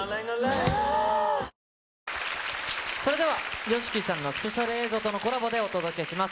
ぷはーっそれではＹＯＳＨＩＫＩさんのスペシャル映像とのコラボでお届けします。